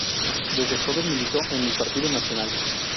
Desde joven militó en el Partido Nacional.